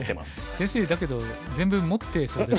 先生だけど全部持ってそうですけどね。